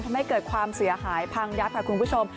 ทำให้เกิดความเสียหายพังยับค่ะคุณผู้ชม